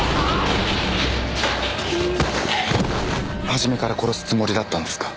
初めから殺すつもりだったんですか？